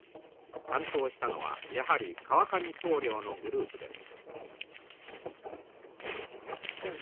担当したのはやはり川上棟梁のグループです。